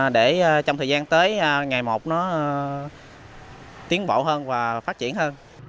để trong thời gian tới ngày một nó tiến bộ hơn và phát triển hơn